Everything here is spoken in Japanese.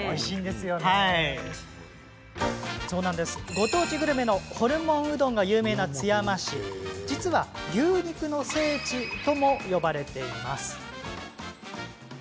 ご当地グルメのホルモンうどんが有名な津山市は実は牛肉の聖地と呼ばれています。